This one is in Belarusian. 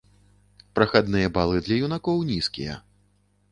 Прахадныя балы для юнакоў нізкія.